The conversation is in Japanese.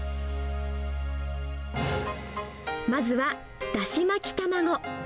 まずは、だし巻き卵。